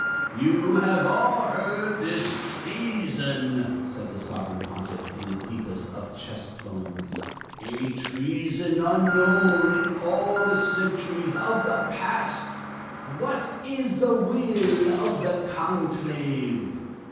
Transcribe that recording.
"You have all heard this treason," said the Sovereign Pontiff, in the deepest of chest tones "a treason unknown in all the centuries of the past! What is the will of the conclave?"